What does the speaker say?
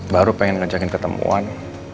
baru pengen ngajakin ketemuan